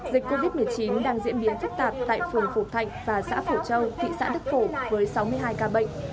dịch covid một mươi chín đang diễn biến phức tạp tại phường phổ thạnh và xã phổ châu thị xã đức phổ với sáu mươi hai ca bệnh